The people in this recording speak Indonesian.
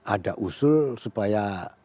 ada usul supaya